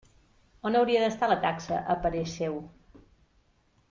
On hauria d'estar la taxa, a parer seu?